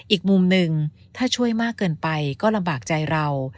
อีกมุมหนึ่งถ้าช่วยมากเกินไปก็ลำบากใจเรา